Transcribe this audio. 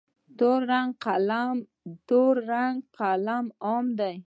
تور رنګ قلم عام دی.